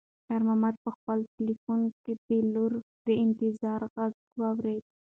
خیر محمد په خپل تلیفون کې د لور د انتظار غږ واورېد.